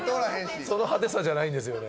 その派手さじゃないんですよね。